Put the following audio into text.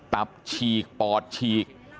ตับฉีกปอดฉีก